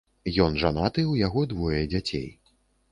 Ён жанаты, у яго двое дзяцей.